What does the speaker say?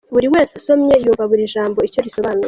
Buri wese asomye yumva buri jambo icyo risobanuye.